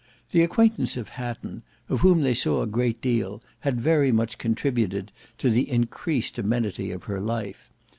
The acquaintance of Hatton, of whom they saw a great deal, had very much contributed to the increased amenity of her life.